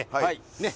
ねっ。